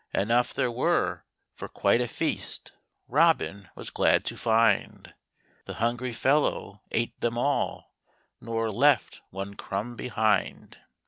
Enough there were for quite a feast, Robin was glad to find ; The hungry fellow ate them all, Nor left one crumb behind.